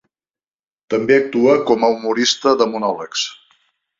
També actua com a humorista de monòlegs.